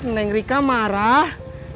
neng rika marah